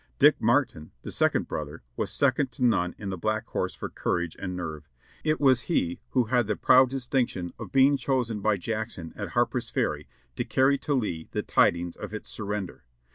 Dick Martin, the second brother, was second to none in the Black Horse for courage and nerve. It was he who had the proud distinction of being chosen by Jackson at Harper's Ferry to carry to Lee the tidings of its surrender.